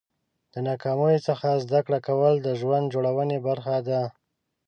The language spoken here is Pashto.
د ناکامیو څخه زده کړه کول د ژوند جوړونې برخه ده.